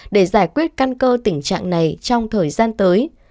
để giải quyết căn cơ tình trạng này trong thời gian tới